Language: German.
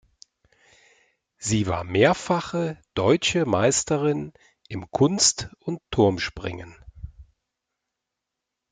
Sie war mehrfache deutsche Meisterin im Kunst- und Turmspringen.